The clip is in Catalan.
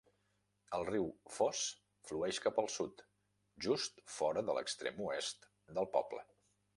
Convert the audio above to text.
El riu Foss flueix cap al sud, just fora de l"extrem oest del poble.